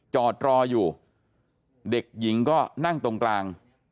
จอดรออยู่เด็กหญิงก็นั่งตรงกลาง